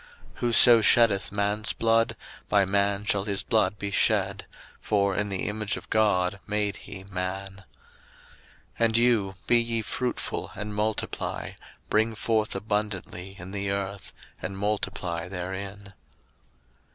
01:009:006 Whoso sheddeth man's blood, by man shall his blood be shed: for in the image of God made he man. 01:009:007 And you, be ye fruitful, and multiply; bring forth abundantly in the earth, and multiply therein.